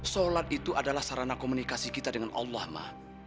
sholat itu adalah sarana komunikasi kita dengan allah ma